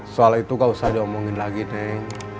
soal itu gak usah diomongin lagi deh